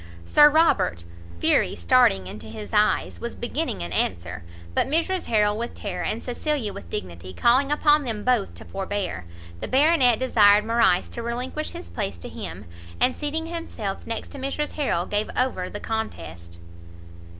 Sir Robert, fury starting into his eyes, was beginning an answer; but Mrs Harrel with terror, and Cecilia with dignity, calling upon them both to forbear, the Baronet desired Morrice to relinquish his place to him, and seating himself next to Mrs Harrel, gave over the contest.